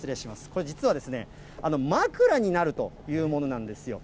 これ、実は枕になるというものなんですよ。